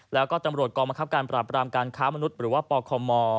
แล้วก็ตำรวจกองบังคับการปราบรามการค้ามนุษย์หรือว่าปคม